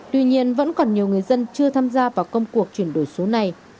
tuy nhiên vẫn còn nhiều người dân chưa tham gia vào công cuộc chuyển đổi số này